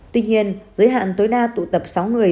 tuy nhiên giới hạn tối đa tụ tập sáu người